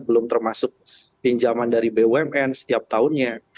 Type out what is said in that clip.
belum termasuk pinjaman dari bumn setiap tahunnya